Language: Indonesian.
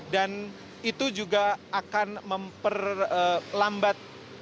dan itu juga akan memperlambat